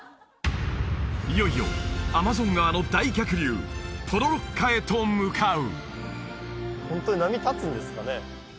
いよいよアマゾン川の大逆流ポロロッカへと向かう！